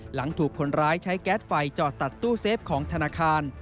หลังถูกคนร้ายใช้แก๊สไฟจอดตัดตู้เซฟของธนาคาร